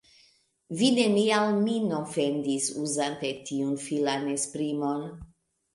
Vi neniel min ofendis, uzante tiun filan esprimon.